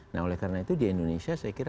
nah oleh karena itu di indonesia saya kira